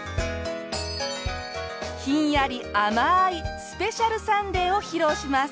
ひんやり甘いスペシャルサンデーを披露します。